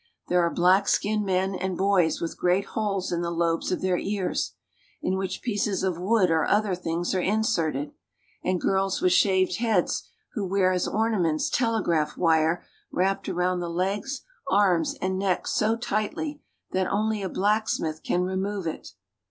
There are black skinned men and boys with great holes in the lobes of their ears, in which pieces of wood or other things are inserted; and girls with shaved heads who wear as ornaments telegraph wrapped around the legs, arms, and neck so tightly that only a blacksmith can remove it.